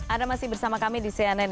anda masih bersama kami di cnn